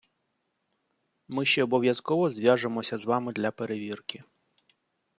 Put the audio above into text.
Ми ще обов'язково зв'яжемося з вами для перевірки.